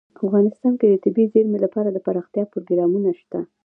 افغانستان کې د طبیعي زیرمې لپاره دپرمختیا پروګرامونه شته.